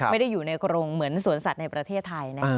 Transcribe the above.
ไม่ได้อยู่ในกรงเหมือนสวนสัตว์ในประเทศไทย